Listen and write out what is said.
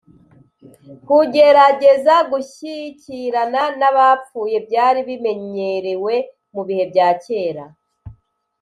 Kugerageza gushyikirana n abapfuye byari bimenyerewe mu bihe bya kera